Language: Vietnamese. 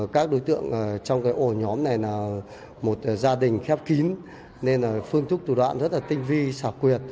các đối tượng trong cái ổ nhóm này là một gia đình khép kín nên là phương thức tù đoạn rất là tinh vi sạc quyệt